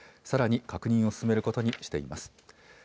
さらに確認を進めることにしています。